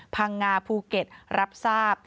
พังงาภูเก็ตรับทราบ